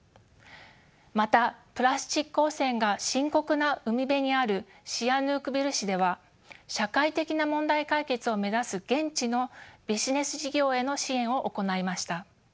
またプラスチック汚染が深刻な海辺にあるシアヌークビル市では社会的な問題解決を目指す現地のビジネス事業への支援を行いました。